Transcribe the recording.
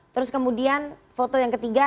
terus kemudian foto yang ketiga